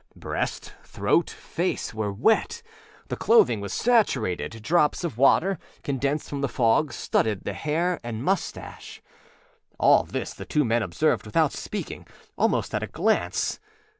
Breast, throat, face, were wet; the clothing was saturated; drops of water, condensed from the fog, studded the hair and mustache. All this the two men observed without speakingâalmost at a glance.